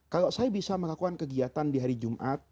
kalau saya bisa melakukan kegiatan di hari jumat